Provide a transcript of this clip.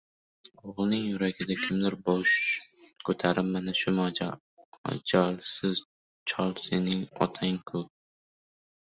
Oʻgʻilning yuragida kimdir bosh koʻtarib, mana shu majolsiz chol sening otang-ku